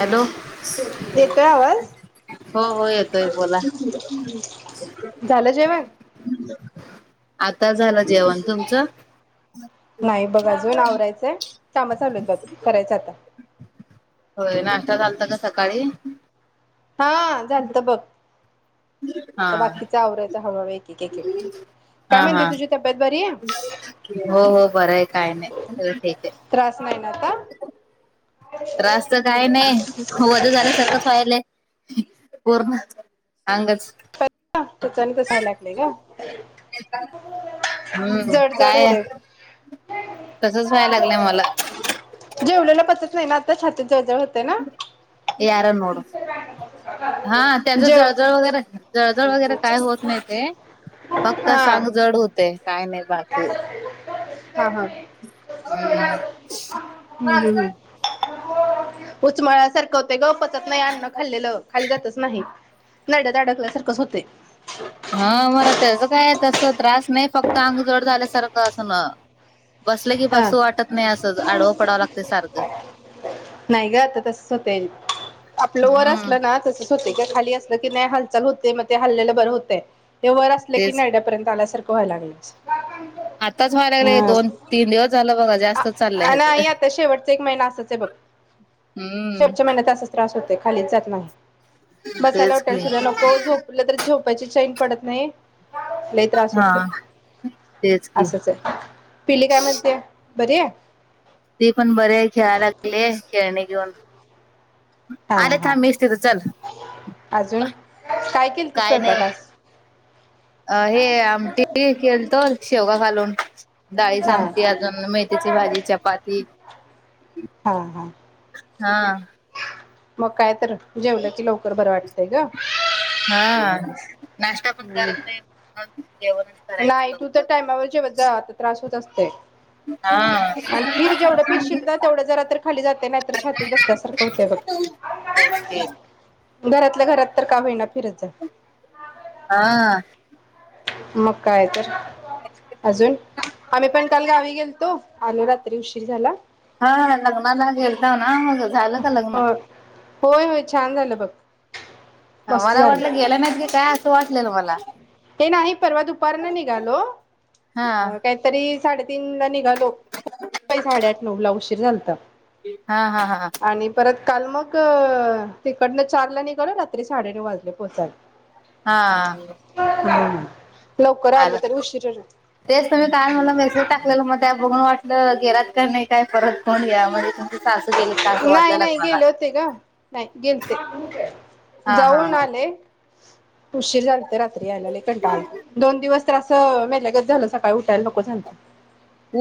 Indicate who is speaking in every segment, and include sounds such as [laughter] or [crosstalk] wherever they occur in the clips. Speaker 1: Hello
Speaker 2: येतोय आवाज
Speaker 1: हो हो येतोय बोला. [inaudible]
Speaker 2: झालं जेवण.
Speaker 1: आता झालं जेवण तुमचं.
Speaker 2: नाही बघ अजून आवरायचंय काम चालूयेत करायचं आता.
Speaker 1: होय नाश्ता झालता का सकाळी.
Speaker 2: हा झालत बघ.
Speaker 1: हा
Speaker 2: आता बाकीच आवरायचं हळूहळू एक एक एक एक काय
Speaker 1: हा
Speaker 2: म्हणते
Speaker 1: हा
Speaker 2: तुझी तब्येत बरी आहे
Speaker 1: हो हो बरं आहे काय नाही ठीक आहे.
Speaker 2: त्रास नाही ना आता
Speaker 1: त्रासच काय न्हाई. वझ झाल्यासारखंच व्हायले. कोरोनाच.
Speaker 2: [unintelligible]
Speaker 1: हम्म
Speaker 2: जड जड
Speaker 1: काय
Speaker 2: होतंय.
Speaker 1: तसच व्हायला लागलंय मला.
Speaker 2: जेवलेला पचत नाय ना! तं..
Speaker 1: [unintelligible] हा त्याच
Speaker 2: जेव
Speaker 1: जळजळ वैगरे, जळजळ वैगरे काय होत नाय. फक्त
Speaker 2: हा
Speaker 1: सांग जड होते. काय नाय बाकी.
Speaker 2: हा हा उचमळल्या सारखं होतंय ग पन. चत नाही अन्न खाल्लेलं, खाली जातच नाही. नरड्यात अडकल्यासारखंच होतंय.
Speaker 1: हा, मला त्याच काय तस त्रास नाही फक्त आंग जड झाल्यासारखं असं ना... बसलं कि
Speaker 2: हा
Speaker 1: बसू वाटतं नाही असच. आडवं पडावं लागत सारखं.
Speaker 2: नाही ग आता तसच होते आपलं वर
Speaker 1: हं.
Speaker 2: असलं [unintelligible] खाली असलं कीं नाय, हालचाल होतंय. म ते हलेलं बरं होतंय. हे वर असल्या कीं,
Speaker 1: तेच
Speaker 2: नरड्यापर्यंत आले तर [unintelligible]
Speaker 1: आताच व्हायला लागले. दोन तीन दिवस झालं बघा जास्त चाललंय ह्याच
Speaker 2: नाही आता शेवटचा एक महिना असच आहे बघ.
Speaker 1: हम्म
Speaker 2: शेवटच्या महिन्यात असच राहत. [unintelligible] खालीच जात नाही. बसायला
Speaker 1: तेच
Speaker 2: होटेल
Speaker 1: की
Speaker 2: सुद्धा नको. झोपलं तर झोपायची क्ष पडत नाही. लय त्रास
Speaker 1: हा
Speaker 2: होतेय.
Speaker 1: तेच की
Speaker 2: असच हाय पिली कां म? कधी हाय?
Speaker 1: ते पण बरे खेळायला लागले खेळणी घेऊन.
Speaker 2: हा
Speaker 1: आले
Speaker 2: हा
Speaker 1: थांब मीच तिथं चल
Speaker 2: अजून काय केलत
Speaker 1: काय नाही
Speaker 2: स्वयंपाक आज
Speaker 1: अ हे आमटी केलतोल शेवगा घालून डाळीची
Speaker 2: हा
Speaker 1: आमटी अजून मेथीची भाजी चपाती
Speaker 2: हा हा.
Speaker 1: हा
Speaker 2: मग काय तर जेवलं की लवकर बरं वाटं वाटतय का [unintelligible]
Speaker 1: हा नाष्टा पण करत नाही [unintelligible]
Speaker 2: नाही
Speaker 1: करायचं
Speaker 2: तू तर
Speaker 1: लवकर
Speaker 2: टायमावर जेव्हा जा अस त्रास होत असते.
Speaker 1: हा
Speaker 2: आणि फिर जेवढं फिरशील ना तेवढं जरा तर खाली जाते. नाहीत छातीत बसल्यासारखं होतय बघ. [unintelligible] घरातल्या घरात तर काय होईना फिरत जा
Speaker 1: हा
Speaker 2: मग काय तर अजून आम्ही पण काल गावी गेलतो आलो रात्री उशीर झाला.
Speaker 1: हा लग्नाला गेलतो ना म झालं का
Speaker 2: अ,
Speaker 1: लग्न
Speaker 2: होय होय छान झालं बघ. मस्त
Speaker 1: मला
Speaker 2: झालं
Speaker 1: वाटलं गेला नायत की काय असं वाटलं मला
Speaker 2: ते नाही परवा दुपार न निघालो
Speaker 1: हा
Speaker 2: काहीतरी साडेतीन ला निघालो [unintelligible] साडेआठ नऊ ला उशीर झालता.
Speaker 1: हा हा हा
Speaker 2: आणि परत काल मग तिकडनं चार ला निघालो रात्री साडेनऊ वाजले पोहोचायला.
Speaker 1: हा
Speaker 2: हहम्म
Speaker 1: आलं तेच तुम्ही काल मला मेसेज टाकलेला मग त्या बघून वाट म्हणलं गेलात का नाही काय परत कोण घ्या म तुम
Speaker 2: नाही नाही गेले होते ग नाही गेलते
Speaker 1: हा हा
Speaker 2: जाऊन आले. उशीर झाल. तर रात्री यायला लय कंटाळा आलता दोन दिवस तर असं मेल्यागत झालं सकाळी उठायला नको. झालत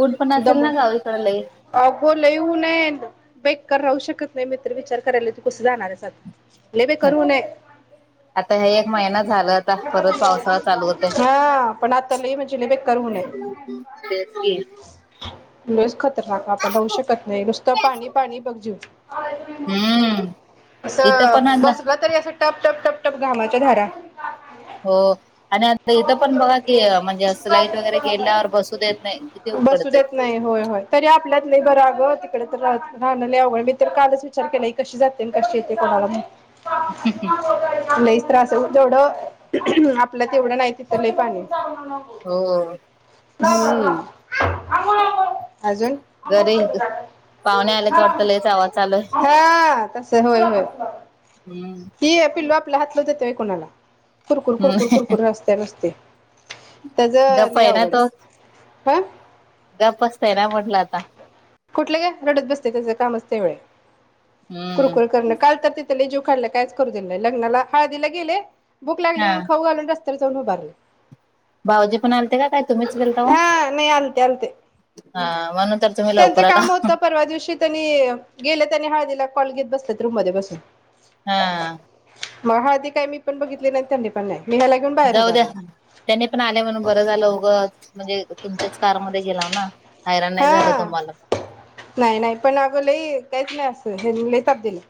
Speaker 1: ऊन पण असेल
Speaker 2: दमून
Speaker 1: ना गावी कड लाई?
Speaker 2: अगो लय ऊनेत बेकार राहू शकत नाही. मी तर विचार करायला तू कसं जाणारच आता? लय
Speaker 1: हं
Speaker 2: बेकार ऊन आहे
Speaker 1: आता हे एक महिना झालाता. परत पावसाळा चालू होताय.
Speaker 2: हा पण आता लय म्हणजे लय बेकार ऊन आहे
Speaker 1: तेच की
Speaker 2: [unintelligible] [unintelligible] आपण राहूच शकत नाही नुसतं पाणी पाणी बघ जीव.
Speaker 1: हम्म
Speaker 2: अस
Speaker 1: इथं पण
Speaker 2: बसलं तरी अस टप टप टप टप टप घामाच्या धारा
Speaker 1: हो. आणि आता इथं पण बघा कि, म्हणजे असं लाईट वगैरे गेल्यावर बसू देत नाही, किती
Speaker 2: बसू
Speaker 1: उकडतंय.
Speaker 2: देत नाही होय तरी आपल्यात लई बरं होय, तिकडे तर राहण लय अवघड, इथ मी कालच विचार केला ही कशी जाते? आणि कशी येते कोणाला माहीत?
Speaker 1: हम् हम
Speaker 2: त्रास जेवढं आपल्यात तेवढं नाही. तिथं लय पाणी
Speaker 1: हो
Speaker 2: अजून.
Speaker 1: घरी पाहुणे आलेत वाटत लईच आवाज चालू आहे.
Speaker 2: ह. कस? होय. होय.
Speaker 1: हम्म
Speaker 2: की पिल्लू आप आपला हातच देतोय कोणाला? कुरकुर कुरकुर
Speaker 1: हम्म
Speaker 2: कुरकुरत असत्या नुसती. त्याच लय अवघड आहे. हा.
Speaker 1: गप असतय ना, म्हटलं आता.
Speaker 2: कुठलं घे रडत बसते त्याच कामचते वेळी
Speaker 1: हम्म.
Speaker 2: कुरकुर करण काल तर ते लय जीव खालाय कायच करू दिलं नाही. लग्नाला हळदीला गेले भुक लागली
Speaker 1: हा
Speaker 2: म्हणुण खाऊ घालून जाऊन उभारले.
Speaker 1: भाऊजी पण आलते का काय? तुम्हीच गेलता ओ.
Speaker 2: हा नाही आलते आलते
Speaker 1: हा म्हणून तर तुम्ही
Speaker 2: त्यांचं
Speaker 1: लवकर आला.
Speaker 2: काम होतं परवा दिवशी त्यांनी गेलं त्यांनी हळदीला कॉल घेत बसतात रूम मध्ये बसून
Speaker 1: हा.
Speaker 2: मग हळदी काय मी पण बघितली नाही, त्यांनी पण नाही. मी ह्याला घेऊन बाहेर
Speaker 1: जाऊ द्या,
Speaker 2: उभारले
Speaker 1: त्यांनी पण आले म्हणून बरं झालं. उगंच म्हणजे तुमच्याच कारमध्ये गेलाव ना. हैराण नाही झालं
Speaker 2: हा
Speaker 1: तुम्हाला.
Speaker 2: नाही नाही पण अग लई काहीच नाही असं ह्यांनी लई ताप दिलाय.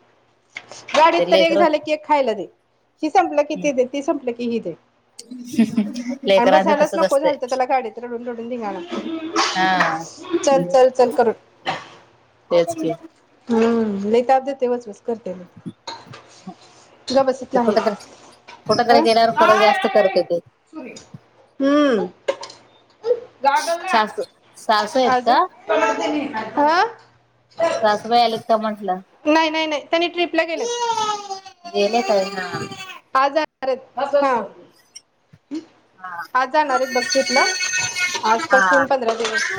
Speaker 2: गाडीत
Speaker 1: ते
Speaker 2: तर एक
Speaker 1: लेकर
Speaker 2: झालं की एक खायला दे, हि संपलं कि ते दे, ते संपलं की हि दे, आणि
Speaker 1: लेकरांचं
Speaker 2: बसायलाच
Speaker 1: तसच
Speaker 2: नको झालंत त्याला
Speaker 1: असतंय
Speaker 2: गाडीत रडून रडून धिंगाना
Speaker 1: हा
Speaker 2: चल चल चल करून.
Speaker 1: तेच की,
Speaker 2: हम्म लई ताप देतय वचवच करतय बघ.
Speaker 1: ते कुठं तर कुठं तरी
Speaker 2: ह
Speaker 1: गेल्यावर खरं जास्त करत्याती. आहेत
Speaker 2: अजून
Speaker 1: का
Speaker 2: हां.
Speaker 1: सासूबाई आलत. सोमवारी
Speaker 2: नाही नाही नाही. त्यांनी ट्रिपला गेलेत.
Speaker 1: हां.
Speaker 2: आज जाणार आहेत हां. आज जाणार आहेत बग ट्रीपला आजपासून पंधरा दिवस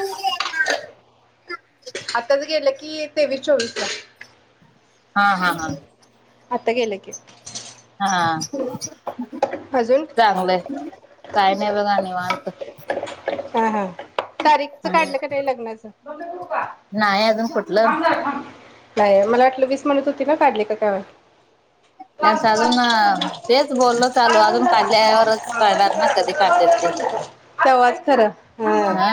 Speaker 2: कि तेवीस चोवीस ला.
Speaker 1: हा हा हा.
Speaker 2: अता गेले की,
Speaker 1: हाआ.
Speaker 2: अजून
Speaker 1: चांगलंय. काय नाही बघा निवांत.
Speaker 2: हा हा. तारीखच काढलं का नाही लग्नाच
Speaker 1: नाही अजून कुठलं
Speaker 2: नाही मला वाटलं वीस म्हनत होती ना काडली का काय वाटल.
Speaker 1: त्यांचं अजून तेच बोललो चालू अजून काढल्यावरच कळणार ना कधी काढतात ते
Speaker 2: तेव्हाच. खरं हां
Speaker 1: हा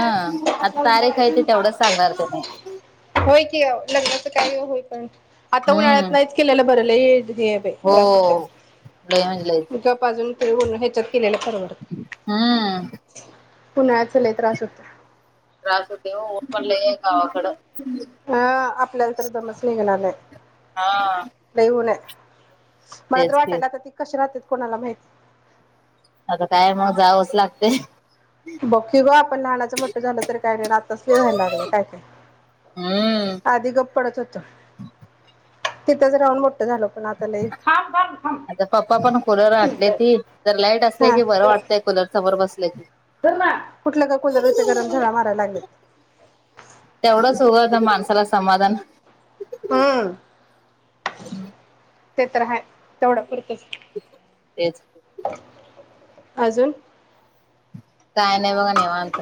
Speaker 1: आता तारीख आहे ते तेवढंच सांगणार त्यांनी
Speaker 2: व्हय की आओ लग्नाचं काही यो होईपर्यंत आता उन्हाळ्यात
Speaker 1: हम्म
Speaker 2: नाहीच केलेलं ब बर लई. हे हाय बाई त्रास होतय
Speaker 1: हो लय म्हणजे लयच
Speaker 2: ते गप अजून ते उन्ह हेच्यात केल्यालं परवडतय.
Speaker 1: हम्म
Speaker 2: उन्हाळ्याच लई त्रास व्हतोय.
Speaker 1: त्रास होतय ओ उन पडलं आहे गावाकडं.
Speaker 2: हा आपल्याला तर दमसणी घेणार नाही
Speaker 1: हा
Speaker 2: लय ऊन आहे. मला तर
Speaker 1: तेच
Speaker 2: वाटत
Speaker 1: की
Speaker 2: राहात ते कश राहत्यात. कोणाला माहिती
Speaker 1: आता काय मग जावंच लागते.
Speaker 2: बघकी ग आपण लहानाचं म्हट्ट झालं तररी काय नाही आताच लिवायला लागलं काय काय
Speaker 1: हम्म
Speaker 2: आधी गप्पडच होतो. तिथंच राहून मो
Speaker 1: आता पप्पा पण कुलर आणटले
Speaker 2: धर
Speaker 1: ती तर लाईट असली कि बरं वाटतंय कुलर समोर बस ले.
Speaker 2: तर ना कुठल्या गकुलदचे गरम झाडा मारायला लागलेत.
Speaker 1: तेवढंच हों होता माणसाला समाधान
Speaker 2: हम्म.
Speaker 1: [unintelligible]
Speaker 2: ते तर रा तेवढं पुरतच.
Speaker 1: तेच.
Speaker 2: अजून.
Speaker 1: काय नाही बघा निवांत.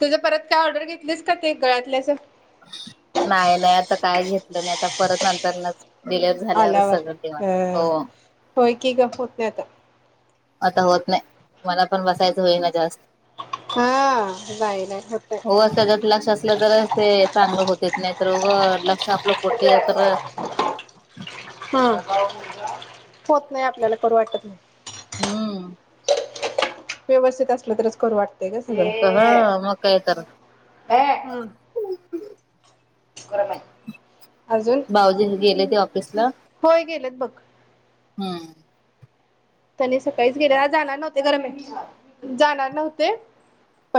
Speaker 2: तुझं परत काय ऑर्डर घेतलीच का ते गळ्यातल्या अशे
Speaker 1: नाही नाही आता काय घेतलं नाही आता परत लग्नाचं
Speaker 2: आल्यावर अ होय की ग होत नाही आता.
Speaker 1: आता होत नाही मला पण बसायचं होईना जास्त
Speaker 2: हा नाही नाही होत
Speaker 1: हो
Speaker 2: नाही
Speaker 1: त्याच्यात लक्ष असलं तरच ते चांगलं होते नाही रोग लाग
Speaker 2: हम्म. होत नाही आपल्याला करू वाटत नाही.
Speaker 1: हम्म.
Speaker 2: व्यवस्थित असलं तरच करू वाटतं [unintelligible]
Speaker 1: ह मग काय तर
Speaker 2: कर बाई.
Speaker 1: भाऊजी गेले ते कसल?
Speaker 2: होय गेलंत बघ.
Speaker 1: हम्म.
Speaker 2: तनी सकाळीच गेल्या जाणार नव्हते गरमे जाणार नव्हते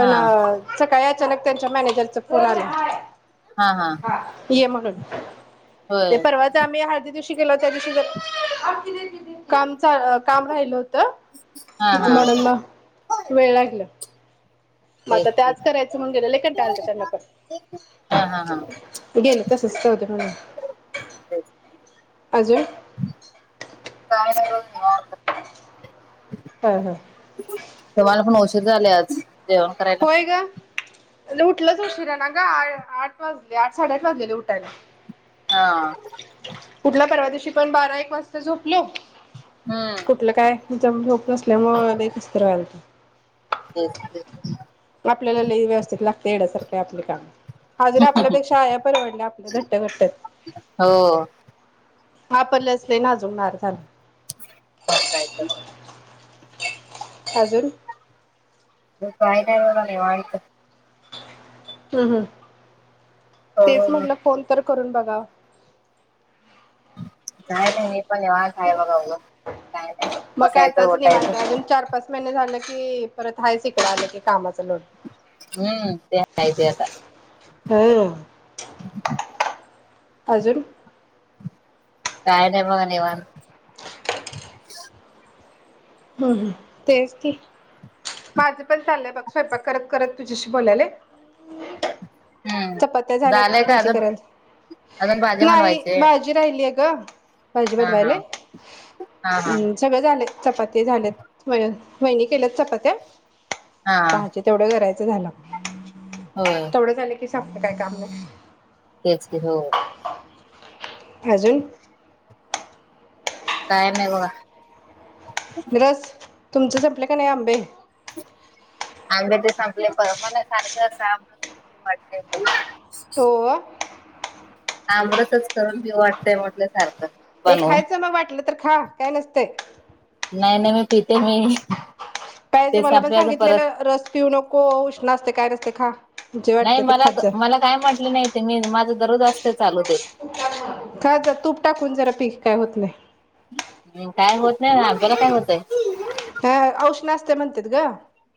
Speaker 1: हा
Speaker 2: सकाळी आ अचानक त्यांच्या मॅनेजरचा फोन आला.
Speaker 1: हा हा
Speaker 2: ये म्हगण ह ते
Speaker 1: होय
Speaker 2: परवा जामया हरदी तु त्या दि का काम राहिल
Speaker 1: हा
Speaker 2: होत
Speaker 1: हा
Speaker 2: म्हणून मग वेळ लागल मग
Speaker 1: तेच
Speaker 2: आता
Speaker 1: ते
Speaker 2: त्याच करायचं म्हण गेलं लेकन टालतं त्यांना पण
Speaker 1: हा हा हा
Speaker 2: गेलं तसच होत म्हून आजून
Speaker 1: का र
Speaker 2: हम हम
Speaker 1: तुम्हाला पण औषध झाले आज- जेवण करायला...
Speaker 2: होय ग उठलंच उशिरा ना ग, आठ वाजले आठ -साडेआठ वाजलेले उठायला.
Speaker 1: हा..
Speaker 2: कुठल्या परवा दिवशी पण बारा एक वाजता झोपले.
Speaker 1: हम्म
Speaker 2: कुठलं काय? ज झोप नसल्यामुळे कसतरी व्हयला.
Speaker 1: तेच तेच
Speaker 2: आपल्याला ल व्यवस्थित लागते येण्यासारखं आपले काम. हा जरी आपल्यापेक्षा आ परवडल्या आपल्या घट्ट- घट्टत
Speaker 1: हो
Speaker 2: आपणला चल लई नाजूणार झाला.
Speaker 1: मग, ताय-
Speaker 2: अजून -
Speaker 1: काय नाही वायचं.
Speaker 2: हम्म- हम्म तेच
Speaker 1: निवांत
Speaker 2: म्हटलं? कोण तर.... करून बघा.
Speaker 1: काय नाही- नाही पण वान खाय बगावलं,
Speaker 2: म का आताच निवार अजून चार -पाच- झा की परत हय शिक आ की कामच.
Speaker 1: हम्म... ते काय ते काय?
Speaker 2: हा आजारी-
Speaker 1: काय नाही बघ निवांत.
Speaker 2: हम्- हम तेच त माझं पण चाललंय, बघ स्वयंपाक करत- करत तुझ्याशी बोलायला.
Speaker 1: हम्म.
Speaker 2: चपात्या झाल्यात,
Speaker 1: झालंय का
Speaker 2: भाजी
Speaker 1: अजून
Speaker 2: करायला,
Speaker 1: अजून भाजी
Speaker 2: नाही
Speaker 1: बनवायची
Speaker 2: भाजी राहिली अ? का? भाजी
Speaker 1: हा
Speaker 2: बनवायले,
Speaker 1: हा हा हा.
Speaker 2: हम् सगळे झाले चपाती - झाल्या, महि केल्यात चपात्या.
Speaker 1: हा
Speaker 2: पहाचे तेवढे घरायचे, झालं.
Speaker 1: होय
Speaker 2: तेवढं झालं की, तसं काय काम-
Speaker 1: तेच ते हो,
Speaker 2: अजून,
Speaker 1: कायम नाही बघ [inaudible]
Speaker 2: निरस, तुमचे संपले का नाही आंबे?
Speaker 1: आंबे ते संपले, प मला सारखं असं आंब वाटतंय.
Speaker 2: हो...
Speaker 1: आमरसच करून भी वाटतय, म्हटल्या सारखं.
Speaker 2: ते
Speaker 1: बनवून.
Speaker 2: खायचं मग वाटलं त खा काय नसतय.
Speaker 1: नाही नाही मी पिते मी
Speaker 2: पाहिज
Speaker 1: ते
Speaker 2: मला पण
Speaker 1: संपल्यावर परत
Speaker 2: सांगितलेलं रस पिऊ नको उष्ण असते काय नस ते खा. जे
Speaker 1: नाही
Speaker 2: वाटतं ते
Speaker 1: मलात
Speaker 2: खात जा
Speaker 1: मला काय म्हटले नाही ते मी माझंच दरोज असतय.
Speaker 2: खात जा तूप टाकून जरा पीक काय होत नाही.
Speaker 1: हम्म, काय होत नाही आपल्याला काय होतय.
Speaker 2: अं उष्ण असत म्हणतात ग.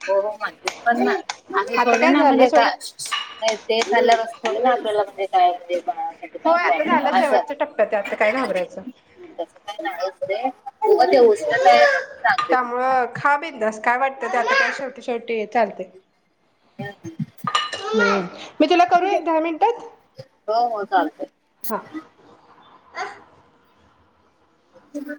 Speaker 1: हो हो म्हणतीस पण ना असे
Speaker 2: आता
Speaker 1: थोडे
Speaker 2: काय
Speaker 1: ना
Speaker 2: झालं
Speaker 1: म्हणजे
Speaker 2: सोड
Speaker 1: का नाही ते खाल्या थोड ना आपल्यालाते काय ते
Speaker 2: होय आता झालं शेवटच्या टप्प्यात आता काय घाबरायचं.
Speaker 1: ते हो ते उचल का आहे मग
Speaker 2: त्यामुंळे खा बिेनंदास काय वाटत आता काय शेवटी शेवटीय चालतंय.
Speaker 1: हम्म,
Speaker 2: हूं मी तुला करू एक दहा मिनिटात?
Speaker 1: हो हो चालतय.
Speaker 2: हा. अ.
Speaker 1: ह.